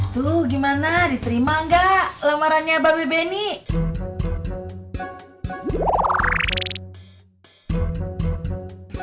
tuh gimana diterima gak lemarannya babe benny